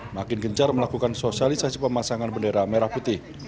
makin gencar melakukan sosialisasi pemasangan bendera merah putih